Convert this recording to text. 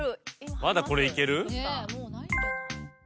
まだこれいける？